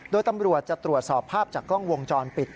โดยตำรวจจะตรวจสอบภาพจากกล้องวงจรปิด